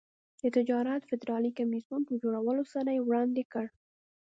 د تجارت فدرالي کمېسیون په جوړولو سره یې وړاندې کړ.